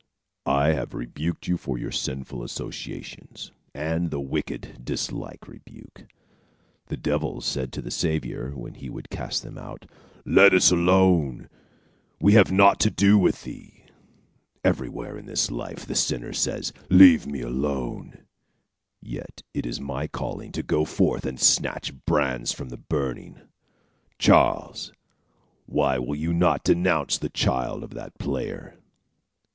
"I have rebuked you for your sinful associations, and the wicked dislike rebuke. The devils said to the Saviour, when he would cast them out, 'Let us alone; we have naught to do with thee.' Everywhere in this life, the sinner says, 'Leave me alone,' yet it is my calling to go forth and snatch brands from the burning. Charles, why will you not denounce the child of that player?"